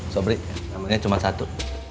sobri namanya cuma satu